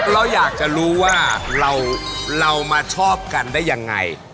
เราอยากจะรู้ว่าเรามาชอบกันได้ยังไง